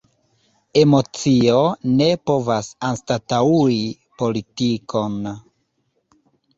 Emocio ne povas anstataŭi politikon.